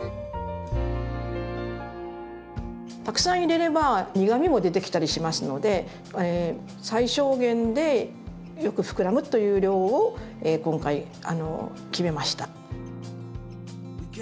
たくさん入れれば苦みも出てきたりしますので最小限でよく膨らむという量を今回決めました。